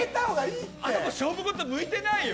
あの子、勝負事向いてないよ。